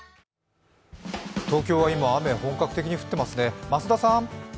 東京は今、雨、本格的に降ってますね。